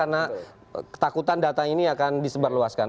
karena takutan data ini akan disebarluaskan